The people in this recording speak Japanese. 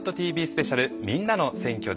スペシャルみんなの選挙」です。